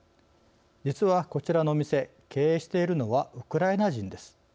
実は、こちらのお店経営しているのはウクライナ人です。